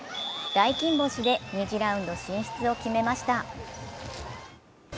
大金星で２次ラウンド進出を決めました。